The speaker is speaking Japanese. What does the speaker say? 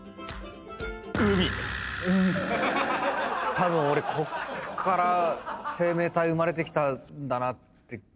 たぶん俺こっから生命体生まれてきたんだなって。